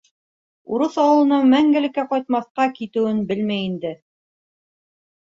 Урыҫ ауылына мәңгелеккә ҡайтмаҫҡа китеүен белмәй инде.